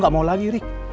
om gak mau lagi rick